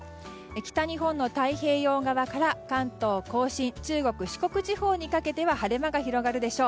北日本の太平洋側から関東・甲信中国・四国地方にかけては晴れ間が広がるでしょう。